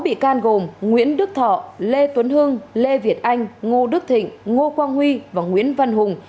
bốn bị can gồm nguyễn đức thọ lê tuấn hưng lê việt anh ngô đức thịnh ngô quang huy và nguyễn văn hùng